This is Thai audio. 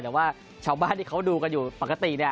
แต่ว่าชาวบ้านที่เขาดูกันอยู่ปกติเนี่ย